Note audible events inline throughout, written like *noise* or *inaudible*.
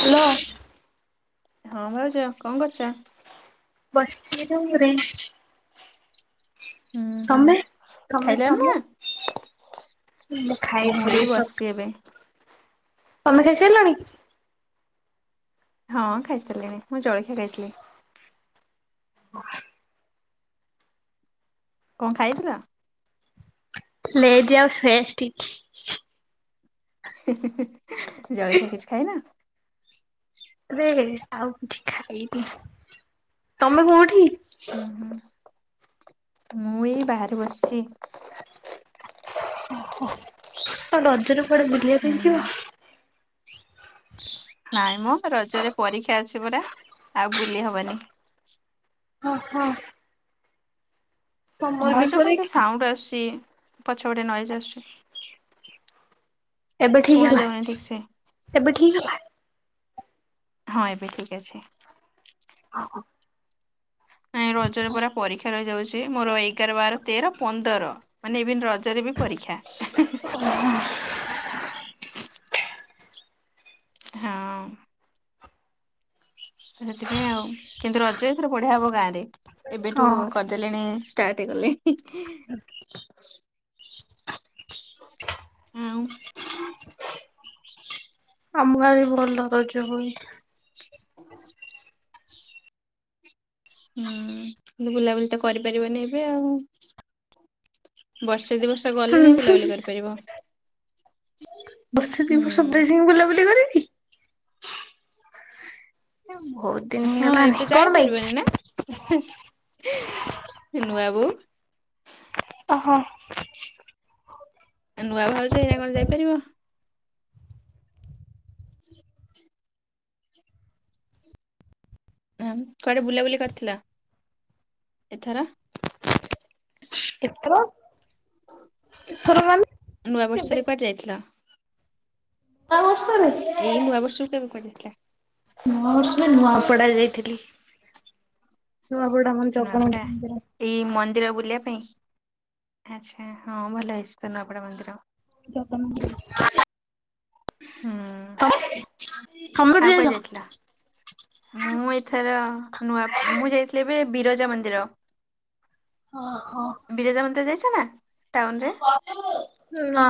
Hello. ହଁ ଭାଉଜ କଣ କରୁଚ? ବସିଚି ରୁମରେ। ହୁଁ ହୁଁ ତମେ ତମେ ଖାଇଲଣି ନା? ତମେ। ମୁଁ ଖାଇଥିଲି ଏଇ ସ ବସିଛି ଏବେ। ତମେ ଖାଇସାରିଲଣି? ହଁ ଖାଇସାରିଲିଣି ମୁଁ ଜଳଖିଆ ଖାଇଥିଲି। କଣ ଖାଇଥିଲ? ଲେଜ ଆଉ ସୋୟାଷ୍ଟିକ। ଜଳଖିଆ କିଛି ଖାଇନା? ଏବେ ଆଉ କିଛି ଖାଇବି। ତମେ କୋଉଠି? ହୁଁ ହୁଁ ମୁଁ ଏଇ ବାହାରେ ବସିଚି। ଓହୋ ଆଉ ରଜରେ କୁଆଡେ ବୁଲିବା ହୁଁ ପାଇଁ ଯିବ? ନାଇଁ ମଁ ରଜରେ ପରୀକ୍ଷା ଅଛି ପରା ଆଉ ବୁଲି ହବନି। ଓ ହୋ। ବି ଭାଉଜ କଣ ଏମତି ପରୀକ୍ଷା। ସାଉଣ୍ଡ ଆସୁଚି ପଛ ପଟେ ନଏଜ ଆସୁଚି। ଏବେ ଠିକ ହେଲା? ଏବେ ଠିକ ହେଲା? ହଁ ଏବେ ଠିକ ଅଛି। ଓହୋ। ନାଇଁ ରଜରେ ପରା ପରୀକ୍ଷା ରହିଯାଉଚି। ମୋର ଏଗାର, ବାର, ତେର, ପନ୍ଦର ମାନେ ଇଭିନ ର ରଜରେ ବି ପରୀକ୍ଷା। ଓହୋ। ହଁ ତ ସେଥିପାଇଁ ଆଉ କିନ୍ତୁ ରଜ ଏଥର ବଢିଆ ହବ ଗାଁରେ ଏବେଠୁ ଆମ କ ଦେଲେଣି ଷ୍ଟାର୍ଟ କଲେଣି। ଆଉ ଆମ ଗାଁରେ ବି ଭଲ ରଜ ହୁଏ। ହୁଁଉଁ, କିନ୍ତୁ ବୁଲାବୁଲି ତ କରିପାରିବନି ଏବେ ଆଉ। ବର୍ଷେ ଦି ବର୍ଷ ହୁଁ ଗଲେ ଯାଇ ହୁଁ। ବୁଲାବୁଲି କରିପାରିବ। ବର୍ଷେ ଦି ହୁଁ ବର୍ଷ ପରେ ଯାଇ ବୁଲାବୁଲି କରିବି। ଏ ଭୋଉତ ଦିନି ହେଇଗଲାନି। କଣ ବାଇ? ଇଁହିଁ ହିଇଁ ନୂଆ ବୋଉ। ଅ ହ। ଏ ନୂଆ ଭାଉଜ ଏଇନା କଣ ଯାଇପାରିବ? ଆମ୍ କୁଆଡ଼େ ବୁଲାବୁଲି କରିଥିଲ? ଏଥର। ଏଥର। ଏଥର ମାନେ ନୂଆ କେବେ? ବର୍ଷେରେ କୁଆଡେ ଯାଇଥିଲ? ନୂଆ ବର୍ଷରେ। ଏଇ ନୂଆ ବର୍ଷକୁ କେବେ ପଡିଥିଲା? ନୂଆ ବର୍ଷରେ ନୂଆ ପଡା ଯାଇଥିଲି। ନୁଆପଡାମ ନୂଆପଡା ଜଗନ୍ନାଥ ମନ୍ଦିର। ଏଇ ମନ୍ଦିର ବୁଲିବା ପାଇଁ, ଆଛା! ହଁ ଭଲ ହେଇଛି ତ ନୂଆପଡା ମନ୍ଦିର। ହୁଁ ଆଉ କୁଆଡେ *unintelligible* ଯାଇଥିଲ? ମୁଁ ଏଥର ନୂଆ ମୁଁ ଯାଇଥିଲି ଏବେ ବିରଜା ମନ୍ଦିର। ଅଁ ହଁ। ବିରଜା ମନ୍ଦିର ଯାଇଛ ନା ଟାଉନରେ? ନାଁ।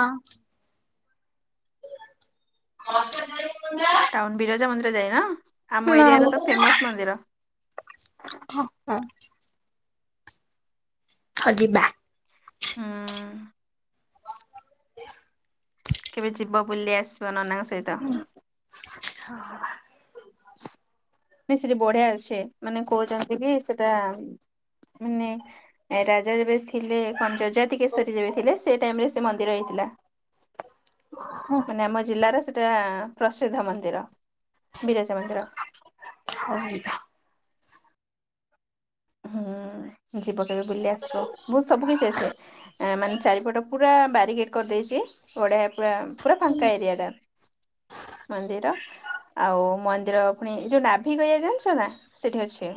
*unintelligible* ଟାଉନ୍ ବିରଜା ମନ୍ଦିର ଯାଇନ, ଆମ ନା ଏରିଆରେ ଲୋ। ତ ଫେମସ୍ ମନ୍ଦିର। ହଁ ହଅ ଯିବା। ହୁଁଉଁ। କେବେ ଯିବ ବୁଲି ଆସିବ ନନାଙ୍କ ସହିତ? *unintelligible* ନାଇଁ ସେଠି ବଢିଆ ଅଛେ, ମାନେ କହୁଛନ୍ତି କି ସେଟା ମାନେ ରାଜା ଯେବେ ଥିଲେ କଣ ଜଜାତିକେଶରୀ ଯେବେ ଥିଲେ, ସେ ଟାଇମ୍ ରେ ସେ ମନ୍ଦିର ହେଇଥିଲା। ହୁଁ ମାନେ ଆମ ଜିଲ୍ଲାର ସେଟା ପ୍ରସିଦ୍ଧ ମନ୍ଦିର ବିରଜା ମନ୍ଦିର। *unintelligible* ହୁଁଉଁ ଯିବ। କେବେ ବୁଲି ଆସିବ? ବହୁତ୍ ସବୁ କିଛି ଅଛି ଏ ମାନେ ଚାରିପଟ ପୁରା ବାରିକେଟ୍ କରିଦେଇଚି। ବଢିଆ ପୁରା ପୁରା ଫାଙ୍କା ଏରିଆ ଟା, ମନ୍ଦିର। ଆଉ ମନ୍ଦିର ଫୁଣି ଯୋଉ ନାଭି ଗୟା ଜାଣିଛ ନା ସେଠି ଅଛି।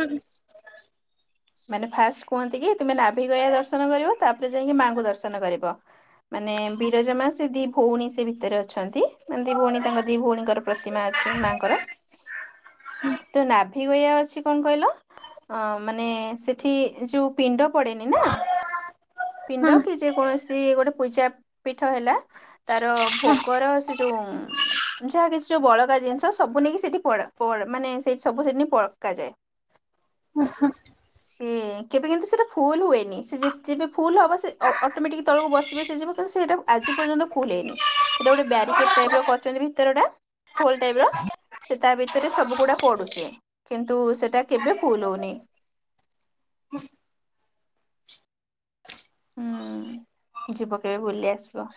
ମାନେ ଫାଷ୍ଟ୍ କୁହନ୍ତି କି ତୁମେ ନାଭି ଗୟା ଦର୍ଶନ କରିବ, ତାପରେ ଯାଇଙ୍କି ମାଆଙ୍କୁ ଦର୍ଶନ କରିବ। ମାନେ ବିରଜା ମା ସେ ଦି ଭଉଣୀ ସେ ଭିତେରେ ଅଛନ୍ତି, ମାନେ ଦି ଭଉଣୀ ତାଙ୍କ ଦି ଭଉଣୀଙ୍କର ପ୍ର ତିମା ଅଛି ମାଙ୍କର। ତ ନାଭି ଗୟା ଅଛି କଣ କହିଲ ଅ ମାନେ ସେଠି ଯୋଉ ପିଣ୍ଡ ପଡେନି ନା ପିଣ୍ଡ କି ଯେ କୌଣସି ଗୋଟେ ପୂଜା ପୀଠ ହେଲା। ତାର ଭୋଗର ସେ ଯୋଉ ଯାହା କିଛି ଯୋଉ ବଳକା ଜିନିଷ ସବୁ ନେଇକି ସେଠି ପୋଡ଼ ପୋଳ ମାନେ ସେଇଠି ସବୁ ସେଠି ନେଇ ପକାଯାଏ। ଅହ ସିଏ କେବେ କିନ୍ତୁ ସେଟା ଫୁଲ୍ ହୁଏନି ସେ ଯେ ଜେବ ଫୁଲ୍ ହବ ସେ ଅ ଅଟୋମେଟିକ ତଳକୁ ବସିବସି ଯିବ। ସେଇଟା ଆଜି ପର୍ଯ୍ୟନ୍ତ ଫୁଲେଇନି ସେଟା ଗୋଟେ ବ୍ୟାରିକେଡ ଟାଇପ ର କରିଛନ୍ତି ଭିତର ଟା। ହୋଲ ଟାଇପ୍ ର। ସେ ତା ଭିତରେ ସବୁଗୁଡା ପଡୁଚି କିନ୍ତୁ ସେଟା କେବେ ଫୁଲ୍ ହୋଉନି। ହୁଁ ଯିବ କେବେ ବୁଲି ଆସିବ।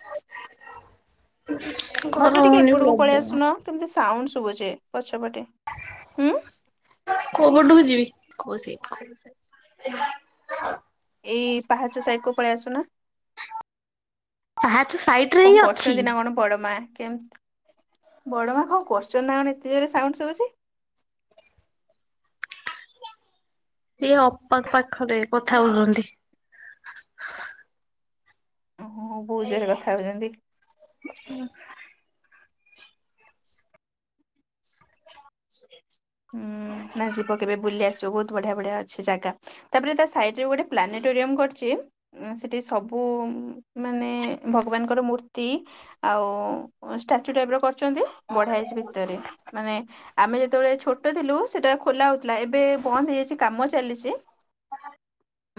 ଭାଉଜ ଗରମ ଟିକେ ହଉନି ଏପଟକୁ ପଳି ପ୍ରବଳ। ଆସୁନ କେମିତି ସାଉଣ୍ଡ୍ ଶୁବୁଛି ପଛପଟେ। ହୁଁ କୋଉପଟକୁ ଯିବି କୋଉସୀ। ଏଇ ପାହାଚ ସାଇଟ୍ କୁ ପଳି ଆସୁନା। ପାହାଚ ସାଇଡ ରେ ହିଁ କଣ ଅଛି। କରୁଛନ୍ତି ନା କଣ ବଡ଼ମା? କେମ୍ତି ବଡ଼ ମା କଣ କରଚନ୍ତି ନା କଣ ଏତେ ଜୋରେ ସାଉଣ୍ଡ୍ ସୁବୁଚି? ସିଏ ଅପା ପାଖରେ କଥା ହୋଉଚନ୍ତି। ଓହୋ ବୋଉ ଜୋରେ କଥା ହୋଉଚନ୍ତି। ସୁ ହୁଁ ନା ଯିବ କେବେ ବୁଲି ଆସିବ ବହୁତ ବଢିଆ ବଢିଆ ଅଛି ଜାଗା। ତାପରେ ତା ସାଇଟ୍ ରେ ଗୋଟେ ପ୍ଲାନେଟୋରିୟମ୍ କରଚି। ଉଁ ସେଠି ସବୁ ମାନେ ଭଗବାନଙ୍କର ମୂର୍ତ୍ତି ଆଉ ଷ୍ଟାଚୁ ଟାଇପ୍ ର କରିଚନ୍ତି ବଢ଼ିଆ ହେଇଚି ଭିତରେ। ମାନେ ଆମେ ଯେତୋବେଳେ ଛୋଟ ଥିଲୁ ସେଟା ଖୋଲା ହୋଉଥିଲା ଏବେ ବନ୍ଦ ହେଇଯାଇଛି କାମ ଚାଲିଚି।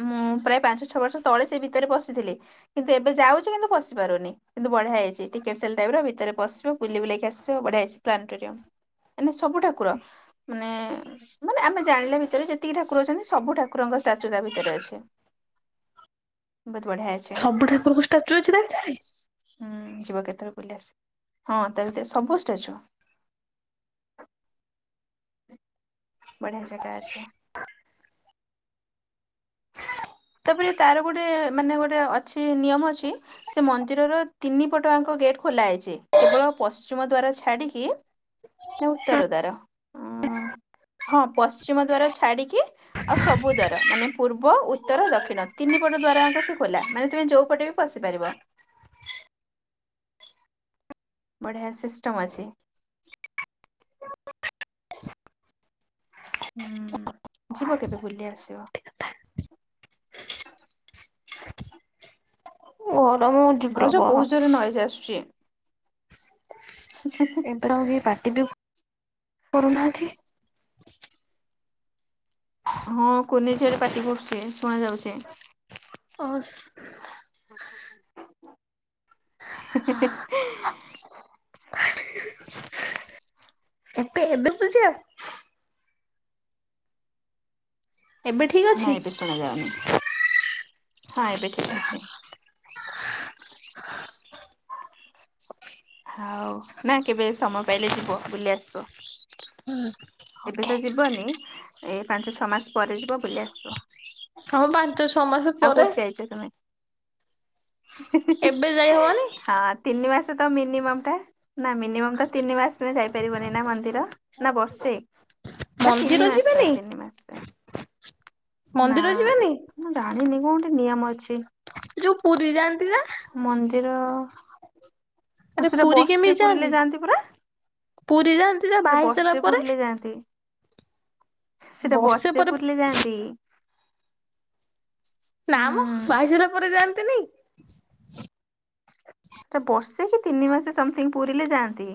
ମୁଁ ପ୍ରାୟ ପାଞ୍ଚ ଛଅ ବର୍ଷ ତଳେ ସେ ଭିତରେ ପସିଥିଲି। କିନ୍ତୁ ଏବେ ଯାଉଚି କିନ୍ତୁ ପଶି ପାରୁନି। କିନ୍ତୁ ବଢ଼ିଆହେଇଚି ଟିକେଟ୍ ସେଲ୍ ଟାଇପ୍ ର ଭିତରେ ପସିବ ବୁଲି ବୁଲାକି ଆସିବ ବଢ଼ିଆହେଇଚି ପ୍ଲାନେଟୋରିୟମ୍। ମାନେ ସବୁ ଠାକୁର ମାନେ ମାନେ ଆମେ ଜାଣିଲା ଭିତରେ ଯେତିକି ଠାକୁର ଅଛନ୍ତି ସବୁ ଠାକୁରଙ୍କ ଷ୍ଟାଚୁ ତା ଭିତରେ ଅଛି। ବହୁତ୍ ବଢିଆଛି। ସବୁ ଠାକୁରଙ୍କ ଷ୍ଟାଚୁ ଅଛି ତା ଭିତରେ? ହୁଁ ଯିବ କେତୋବେଳେ ବୁଲି ଆସିବ। ହଁ ତା ଭିତରେ ସବୁଷ୍ଟାଚୁ। ବଢିଆ ଜାଗା ଅଛି। ତାପରେ ତାର ଗୋଟେ ମାନେ ଗୋଟେ ଅଛି ନିୟମ ଅଛି। ସେ ମନ୍ଦିରର ତିନି ପଟଆଙ୍କ ଗେଟ୍ ଖୋଲା ହେଇଚି। କେବଳ ପଶ୍ଚିମ ଦ୍ଵାର ଛାଡିକି ନା ଉତ୍ତର ଦ୍ଵାର। ଉଁ ହଁ ପଶ୍ଚିମ ଦ୍ଵାର ଛାଡିକି ଆଉ ସବୁ ଦ୍ଵାର ମାନେ ପୂର୍ବ ଉତ୍ ତ୍ତର, ଦକ୍ଷିଣ ତିନି ପଟ ଦ୍ଵାର ଆଙ୍କ ସେ ଖୋଲା। ମାନେ ତମେ ଯୋଉ ପଟେ ବି ପଶିପାରିବ। ବଢିଆ ସିଷ୍ଟମ ଅଛି। ଉଁ ଯିବ କେବେ ବୁଲି ଆସିବ। ଭିତରେ। ଗରମ ହୋ ଭାଉଜ ବହୁତ ଜୋରେ ନଏଜ ଆସୁଚି। ତାପରେ ଆଉ କେ ପାଟି ଦିଅ କରୁନାହାନ୍ତି। ହଁ କୁନି ଝିଅଟେ ପାଟି କରୁଚି ଶୁଣ ଯାଉଛି। ଅସ୍ ହେ ହେ ଏବେ ଏବେ ବୁଝାଅ? ଏବେ ଠିକ ଅଛି ନାଇ ଏବେ ଶୁଣା ଯାାଉନି ହଁ ଏବେ ଠିକ ଅଛି। ଆଉ ନା କେବେ ସମୟ ପାଇଲେ ଯିବ ବୁଲି ଆସିବ। ହୁଁ। ଏବେ ତ ଯିବନି ଏ ପାଞ୍ଚ ଛଅ ମାସ ପରେ ଯିବ ବୁଲି ଆସିବ। ହଁ ପାଞ୍ଚ ଛଅ ମାସ ପରେ। ଚ ତମେ। ଏବେ ଯାଇ ହବନି ହଁ ତିନି ମାସ ତ ମିିନିମମଟା ନା ମିନିମମ ଟା ତିନି ମାସରେ ଯାଇପାରିବନି ନା ମନ୍ଦିର ନା ବର୍ଷେ? ନା ତିନି ମନ୍ଦିର ମାସ ଯିବେନି ତିନି ମାସ। ନା ମନ୍ଦିର ଯିବେନି ମୁଁ ଜାଣିନି କଣ ଗୋଟେ ନିୟମ ଅଛି। ଯୋଉ ପୁରୀ ଯାଆନ୍ତି ନା? ମନ୍ଦିର ଆରେ ସେଟା ପୁରୀ ବର୍ଷେ କେମିତି ପୁରୀଲେ ଯାଆନ୍ତି ପରା? ପୁରୀ ଯାଆନ୍ତି ଯା ସେଟା ବାହାହେଇ ସାରିଲା ବର୍ଷେ ପରେ? ପୁରିଲେ ଯାଆନ୍ତି ସେଟା ବର୍ଷେ ପୁରିଲେ ଯାଆନ୍ତି। ନାମ ବାହା ହୁଁ। ହେଇସାରିଲା ପରେ ଯାଆନ୍ତିନି? ସେ ବର୍ଷେ କି ତିନି ମାସେ ସମଥିଙ୍ଗ ପୂରିଲେ ଯାଆନ୍ତି।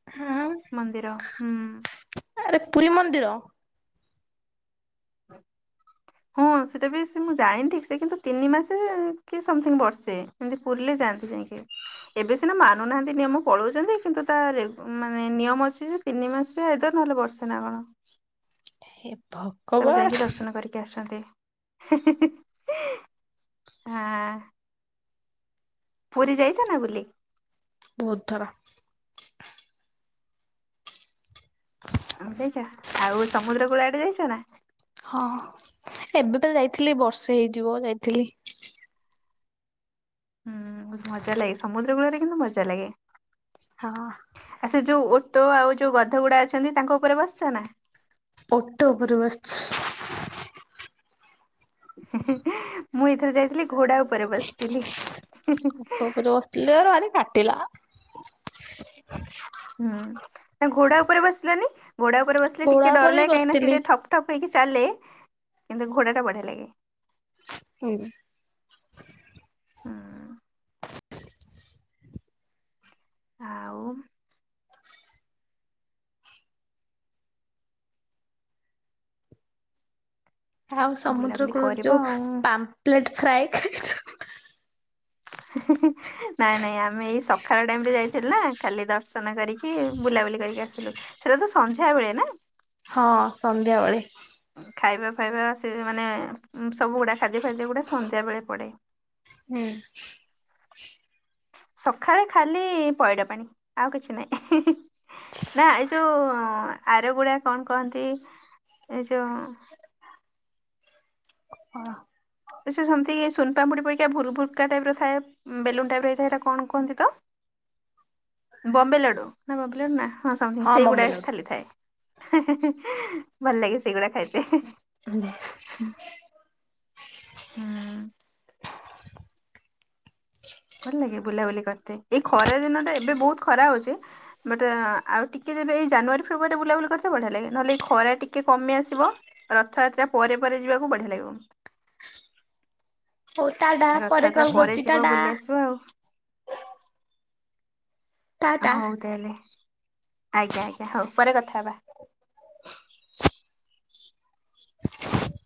ହୁଁ। ମନ୍ଦିର ହୁଁ। ଆରେ ପୁରୀ ମନ୍ଦିର। *inaudible* ହଁ ସେଟା ବି ସେ ମୁଁ ଜାଣିନି ଠିକ୍ ସେ କିନ୍ତୁ ତିନି ମାସେ କି ସମଥିଙ୍ଗ୍ ବର୍ଷେ। ଏମତି ପୁରିଲେ ଯାଆନ୍ତି ଯାଇଁକି। ଏବେ ସିନା ମାନୁନାହାନ୍ତି ନିୟମ ପଳୋଉଚନ୍ତି କିନ୍ତୁ ତା ରେ ମାନେ ନିୟମ ଅଛି ଯେ ତିନି ମାସରେ ଆଇଦର ନହେଲେ ବର୍ଷେ ନା କଣ। ହେ ଭ ତାପରେ ଯାଇକି ଦର୍ଶନ କରିକି ଆସନ୍ତି ହାଁ। ପୁରୀ ଯାଇଚ ନା ବୁଲି? ବୋହୁତ ଥର। ଆମେ ସେଇ ଯାହା ଆଉ ସମୁଦ୍ର କୂଳ ଆଡେ ଯାଇଚ ନା? ହଁ ଏବେ ପା ଯାଇଥିଲି ବର୍ଷେ ହେଇଯିବ ଯାଇଥିଲି। ହୁଁ ମଜାଲାଗେ ସମୁଦ୍ର କୂଳରେ କିନ୍ତୁ ମଜା ଲାଗେ। ହଁ। ଆ ସେ ଯୋଉ ଓଟୋ ଆଉ ଯୋଉ ଗଧଗୁଡା ଅଛନ୍ତି ତାଙ୍କ ଉପରେ ବସିଚ ନା? ଓଟ ଉପରୁ ବସଛି। ହିଁ ହିଁ ମୁଁ ଏଥର ଯାଇଥିଲି ଘୋଡା ଉପରେ ବସିଥିଲି। ହେଲେ ଏରା ଭାରି କାଟିଲା। ହୁଁ ନା ଘୋଡା ଉପରେ ବସିଲନି ଘୋଡା ଓପରେ ବସିଲେ ଟିକେ ଘୋଡ଼ା ଉପରେ ବି ଡରଲାଗେ କାହିଁକିନା ସେ ବସିଥିଲି ଟିକେ ଠପ୍ ଟପ ହେଇକି ଚାଲେ କିନ୍ତୁ ଘୋଡାଟା ବଢିଆ ଲାଗେ। ହୁଁ। ହୁଁ ଆଉ ଆଉ ସମୁଦ୍ର ବୁଲାବୁଲି କୂଳରେ କରିବ ଯୋଉ ଆଉ। ପାମ୍ପ୍ଲେଟ୍ ଫ୍ରାଏ ଖାଇଚ? ହିଁ ହିଁ ହିଁ ନାଇଁ ନାଇଁ ଆମେ ଏଇ ସକାଳ ଟାଇମରେ ଯାଇଥିଲୁ ନା ଖାଲି ଦର୍ଶ ନ କରିକି ବୁଲାବୁଲି କରିକି ଆସିଲୁ ସେଟା ତ ସନ୍ଧ୍ୟା ବେଳେ ନା। ହଁ ସନ୍ଧ୍ୟାବେଳେ। ଖାଇବା ଫାଇବା ସେ ମାନେ ଉଁ ସବୁଗୁଡା ଖାଦ୍ୟ ଫାଦ୍ୟଗୁଡେ ସନ୍ଧ୍ୟାବେଳେ ପଡେ। ହୁଁ ସକାଳେ ଖାଲି ପଇଡ ପାଣି ଆଉ କିଛି ନହିଁ ନା ଏଇ ଯୋଉ ଆରଗୁଡଆ କଣ କହନ୍ତି ଏଇ ଯୋଉ ହଁ ସୁନପାମୁଡି ପରା ଭୁ ଭୁକା ଟାଇପ ର ଥାଏ ବେଲୁନ ଟାଇପ ରଇଥାଏ ଏଇଟା କଣ କୁହନ୍ତି ତ ବମ୍ବେଲାଡୁ ନା ବମ୍ବେଲାଡୁ ନା ହଁ ସମଥିଙ୍ଗ ସେଇଗୁଡା ଖାଲିଥାଏ ଭଲ ଲାଗେ ସେଇଗୁଡା ଖାଇଥାଏ *unintelligible* ହଁ ଭଲ ଲାଗେ ବୁଲାବୁଲି କରିତେ ଏଇ ଖରା ଦିନ ଟା ଏବେ ବହୁତ ଖରା ହଉଛି ବଟ୍ ଆଉ ଟିକେ ଯେବେ ଏଇ ଜାନୁଆରୀ ଫେବୃୟାରୀରେ ବୁଲାବୁଲି କରିତେ ବଢିଆ ଲାଗେ ନହେଲେ ଏଇ ଖରା ଟିକେ କମି ଆସିବ ରଥଯାତ୍ରା ପରେ ପରେ ଯିବାକୁ ବଢିଆ ଲାଗିବ ହଉ ତାଡା ପରେ ରଥଯାତ୍ରା କଲ ଯିବ କରଛିିଟାଡା ବୁଲି ଆସିବ ଆଉ ଟାଟା। ହଉ ତାହେଲେ ଆଜ୍ଞା ଆଜ୍ଞା ହଉ ପରେ କଥା ହେବା *inaudible* *inaudible*